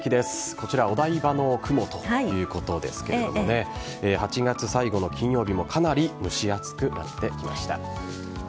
こちら、お台場の雲ということですけれども８月最後の金曜日もかなり蒸し暑くなってきました。